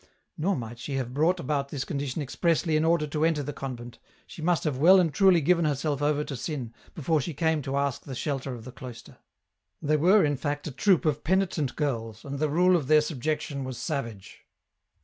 Nor might she have brought about this condition expressly in order to enter the convent, she must have well and truly given herself over to sin, before she came to ask the shelter of the cloister. " They were in fact a troop of penitent girls, and the rule of their subjection was savage.